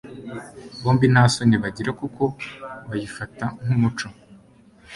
Bombi nta soni bagira kuko bayifata nk'umuco